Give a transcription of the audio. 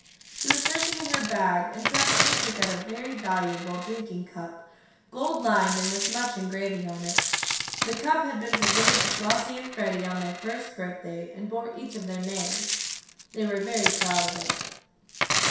She was searching in her bag, and presently took out a very valuable drinking cup, gold lined and with much engraving on it. The cup had been presented to Flossie and Freddie on their first birthday, and bore each of their names. They were very proud of it.